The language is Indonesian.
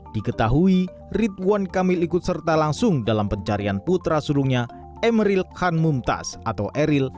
diketahui ridwan kamil ikut serta langsung dalam pencarian putra sulungnya emeril khan mumtaz atau eril